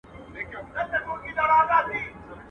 پر هوښار طوطي بې حده په غوسه سو.